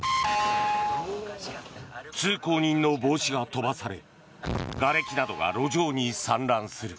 通行人の帽子が飛ばされがれきなどが路上に散乱する。